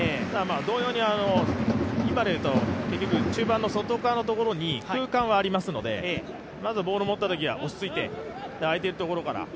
同様に中盤の外側のところに空間はありますのでまずボール持ったときは落ち着いて、あいてるところから。